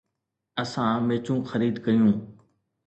اسان ميچون خريد ڪيون.